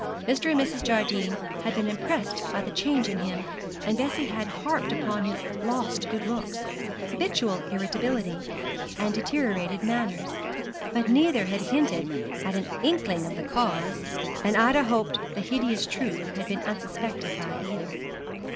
Mr. and Mrs. Jardine had been impressed by the change in him, and Bessie had harped upon his lost good looks, habitual irritability, and deteriorated manners; but neither had hinted at an inkling of the cause; and Ida hoped the hideous truth had been unsuspected by either.